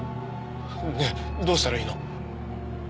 ねえどうしたらいいの？